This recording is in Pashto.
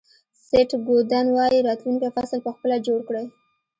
سیټ گودن وایي راتلونکی فصل په خپله جوړ کړئ.